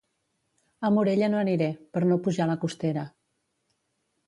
A Morella no aniré, per no pujar la costera.